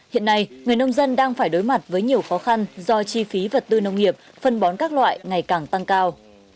hiện nay người nông dân đang phải đối mặt với nhiều khó khăn do chi phí vật tư nông nghiệp phân bón các loại ngày càng tăng cao